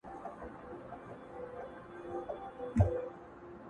مِثال به یې وي داسي لکه دوې سترګي د سر مو-